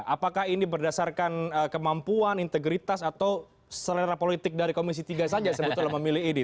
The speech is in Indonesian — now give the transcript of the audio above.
apakah ini berdasarkan kemampuan integritas atau selera politik dari komisi tiga saja sebetulnya memilih ini